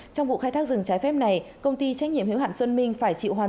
trong vụ khai thác rừng trái phép này công ty trách nhiệm hiệu hạn xuân minh phải chịu hoàn